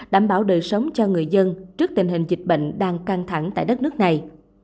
đảm bảo đời sống cho người dân trước tình hình dịch bệnh đang căng thẳng tại đất nước này